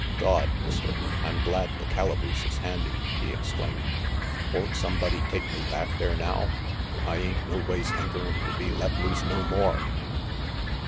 " Gawd, Mister, I'm glad the calaboose is handy," he exclaimed. " Won't sumbody take me back there now? I ain't noways hankerin'to be let loose no more."